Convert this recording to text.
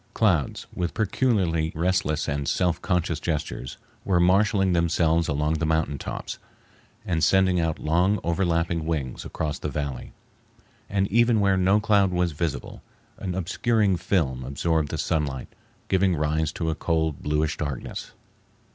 Clouds, with peculiarly restless and self conscious gestures, were marshaling themselves along the mountain tops, and sending out long, overlapping wings across the valley; and even where no cloud was visible, an obscuring film absorbed the sunlight, giving rise to a cold, bluish darkness.